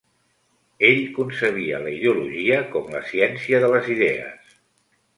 Ell concebia la ideologia com la ciència de les idees.